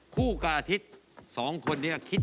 คุณฟังผมแป๊บนึงนะครับ